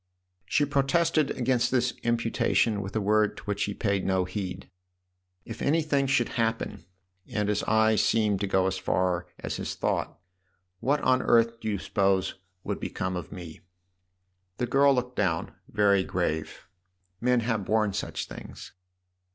She protested against this imputation with a word to which he paid no heed. " If anything should happen " and his eyes seemed to go as far as his thought " what on earth do you suppose would become of me ?" THE OTHER HOUSE 37 The girl looked down, very grave. "Men have borne such things."